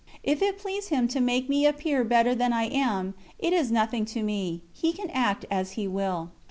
If it please Him to make me appear better than I am, it is nothing to me, He can act as He will.